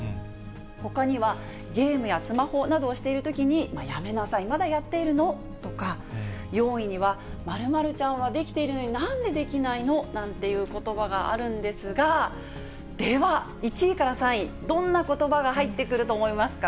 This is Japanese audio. ほかにはゲームやスマホなどをしているときに、やめなさい、まだやっているの？とか、４位には○○ちゃんはできているのに、なんでできないの？なんていうことばがあるんですが、では、１位から３位、どんなことばが入ってくると思いますか。